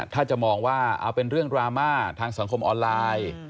ถ้าจะมองว่าเอาเป็นเรื่องดราม่าทางสังคมออนไลน์